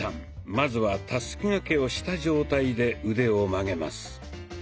まずはたすき掛けをした状態で腕を曲げます。